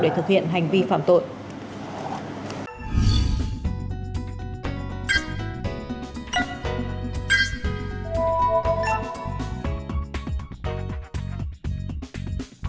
để thực hiện hành vi phạm tội